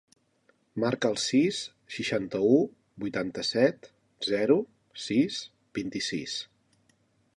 Marca el sis, seixanta-u, vuitanta-set, zero, sis, vint-i-sis.